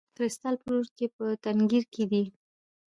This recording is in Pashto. کریستال پلورونکی په تنګیر کې دی.